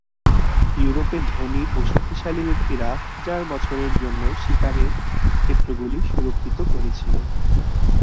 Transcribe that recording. ইউরোপে ধনী ও শক্তিশালী ব্যক্তিরা হাজার বছরের জন্য শিকারের ক্ষেত্রগুলি সুরক্ষিত করেছিল।